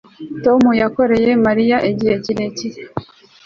Tom yakoreye Mariya igihe kirekire